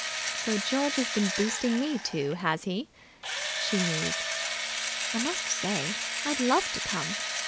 "So George has been boosting me, too, has he?" She mused. "I must say, I'd love to come.